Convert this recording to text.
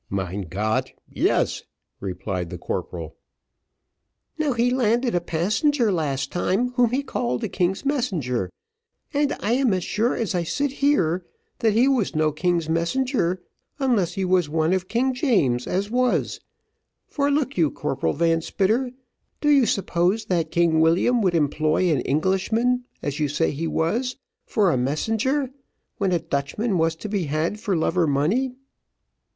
"Mein Gott, yes!" replied the corporal. "Now he landed a passenger last time, which he called a king's messenger, and I am as sure as I sit here that he was no king's messenger, unless he was one of King James's as was; for look you, Corporal Van Spitter, do you suppose that King William would employ an Englishman, as you say he was, for a messenger, when a Dutchman was to be had for love or money?"